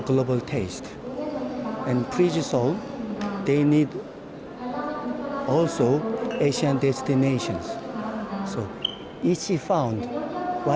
karya kiaf seoul ini lebih besar dari tahun sebelumnya